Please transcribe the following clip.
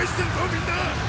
みんな！